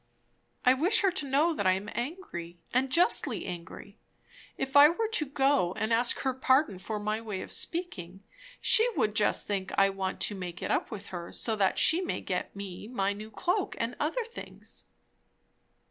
I wish her to know that I am angry, and justly angry; if I were to go and ask her pardon for my way of speaking, she would just think I want to make it up with her so that she may get me my new cloak and other things.?